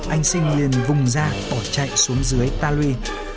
anh sinh liền vùng ra bỏ chạy xuống dưới ta luy